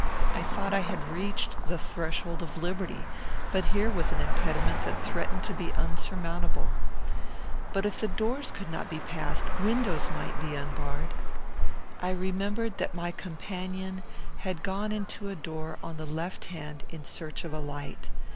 I thought I had reached the threshold of liberty, but here was an impediment that threatened to be insurmountable. But, if doors could not be passed, windows might be unbarred. I remembered that my companion had gone into a door on the left hand, in search of a light.